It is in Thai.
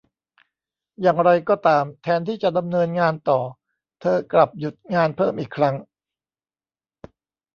อย่างไรก็ตาม แทนที่จะดำเนินงานต่อ เธอกลับหยุดงานเพิ่มอีกครั้ง